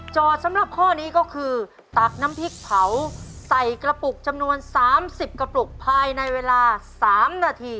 สำหรับข้อนี้ก็คือตักน้ำพริกเผาใส่กระปุกจำนวน๓๐กระปุกภายในเวลา๓นาที